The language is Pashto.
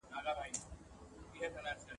شپه او ورځ مي په خوارۍ دئ ځان وژلى !.